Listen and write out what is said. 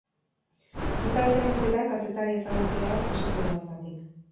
Urte hauetan guztietan kazetari ezagun pila bat pasatu da bertatik.